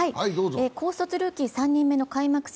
高卒ルーキー３年目の開幕